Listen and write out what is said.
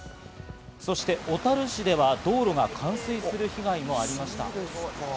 そして小樽市では道路が冠水する被害もありました。